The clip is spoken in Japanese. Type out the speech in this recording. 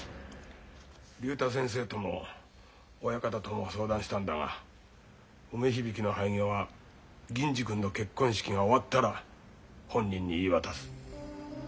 竜太先生とも親方とも相談したんだが梅響の廃業は銀次君の結婚式が終わったら本人に言い渡す。